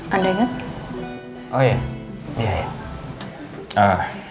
anda ingat ada oh iya ya